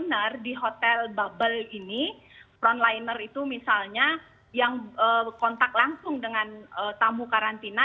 front liner di hotel bubble ini front liner itu misalnya yang kontak langsung dengan tamu karantina